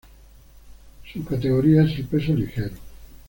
Su categoría es el peso ligero.